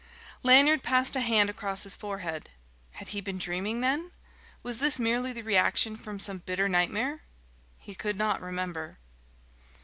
Lanyard passed a hand across his forehead. Had he been dreaming, then? Was this merely the reaction from some bitter nightmare? He could not remember.